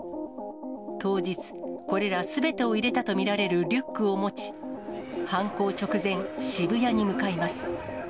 当日、これらすべてを入れたと見られるリュックを持ち、犯行直前、渋谷に向かいます。